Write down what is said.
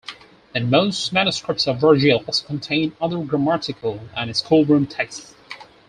In most manuscripts of Virgil also contain other grammatical and schoolroom texts.